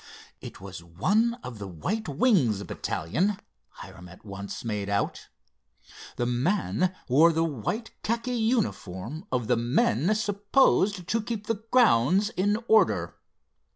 It was one of the "White Wings" battalion, Hiram at once made out. The man wore the white khaki uniform of the men supposed to keep the grounds in order.